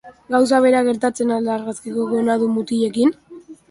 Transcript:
Gauza bera gertatzen al da argazkiko gonadun mutilekin?